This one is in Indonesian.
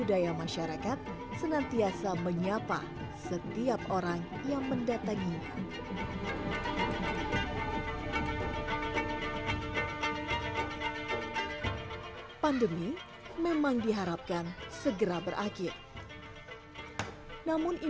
saya juga ingin apapun yang kami buat inovasi ini akan terus berlanjut